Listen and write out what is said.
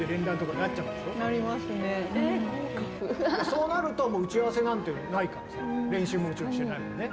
そうなるともう打ち合わせなんてないからさ練習ももちろんしてないよね。